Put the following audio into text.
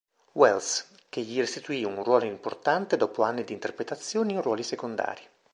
Wells, che gli restituì un ruolo importante dopo anni di interpretazioni in ruoli secondari.